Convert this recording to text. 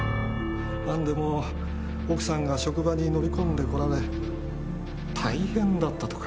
何でも奥さんが職場に乗り込んでこられ大変だったとか。